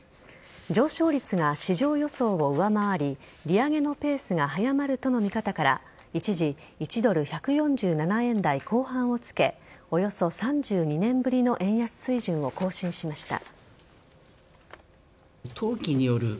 上昇率が市場予想を上回り利上げのペースが早まるとの見方から一時１ドル１４７円台後半をつけおよそ３２年ぶりの円安水準を更新しました。